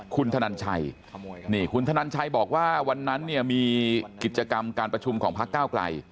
คุณธนันชัยนี่คุณธนันชัยบอกว่าวันนั้นเนี่ยมีกิจกรรมการประชุมของพักเก้าไกล